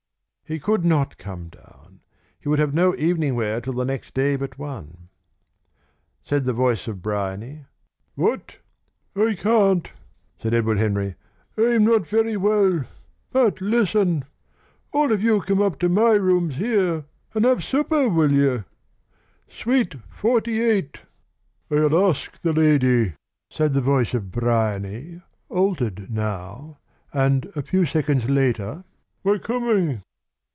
He could not come down. He would have no evening wear till the next day but one. Said the voice of Bryany: "What?" "I can't," said Edward Henry. "I'm not very well. But listen. All of you come up to my rooms here and have supper, will you? Suite 48." "I'll ask the lady," said the voice of Bryany, altered now, and a few seconds later: "We're coming."